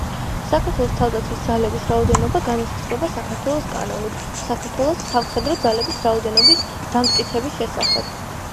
საქართველოს თავდაცვის ძალების რაოდენობა განისაზღვრება საქართველოს კანონით „საქართველოს სამხედრო ძალების რაოდენობის დამტკიცების შესახებ“.